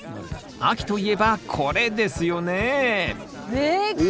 秋といえばこれですよねでっかい！